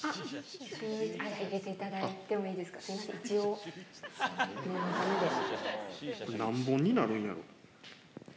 あっ、入れていただいてもい何本になるんやろ？